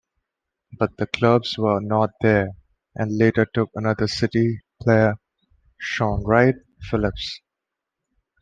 But the clubs were not there and later took another City player, Shaun Wright-Phillips.